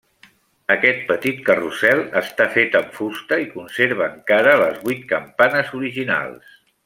Aquest petit carrusel està fet amb fusta i conserva encara les vuit campanes originals.